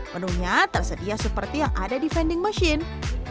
menunya tersedia seperti yang ada di vending machine